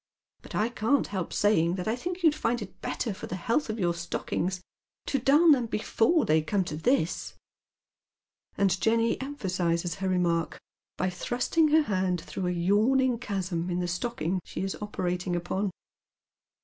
But I can't help saying that I think you'd find it better for the health of your stockings to dam them before they come to this ;" and Jenny emphasizes her remark by thrusting her hand through a yawning chasm in the stocking she is operating upon.